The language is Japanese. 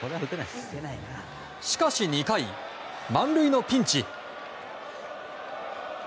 しかし２回、満塁のピンチ。